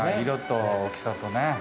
色と大きさとね。